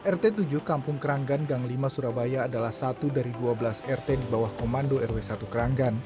rt tujuh kampung keranggan gang lima surabaya adalah satu dari dua belas rt di bawah komando rw satu keranggan